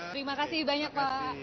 terima kasih banyak pak